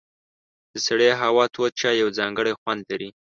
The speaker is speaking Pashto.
د سړې هوا تود چای یو ځانګړی خوند لري.